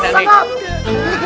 jangan begitu kakak